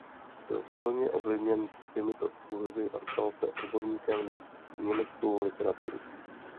Byl silně ovlivněn těmito kurzy a stal se odborníkem na německou literaturu.